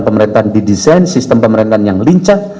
pemerintahan didesain sistem pemerintahan yang lincah